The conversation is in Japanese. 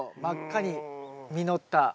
真っ赤に実った。